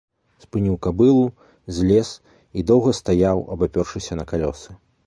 Спыніў кабылу, злез і доўга стаяў, абапёршыся на калёсы.